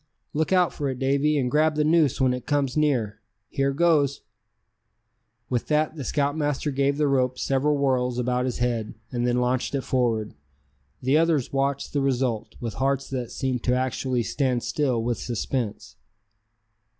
"Look out for it, Davy, and grab the noose when it comes near! Here goes!" With that the scoutmaster gave the rope several whirls about his head, and then launched it forward. The others watched the result, with hearts that seemed to actually stand still with suspense.